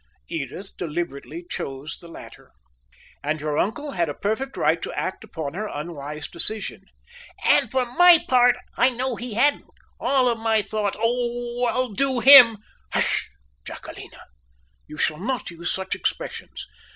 Edith deliberately chose the latter. And your uncle had a perfect right to act upon her unwise decision." "And for my part, I know he hadn't all of my own thoughts. Oh! I'll do him " "Hush! Jacquelina. You shall not use such expressions.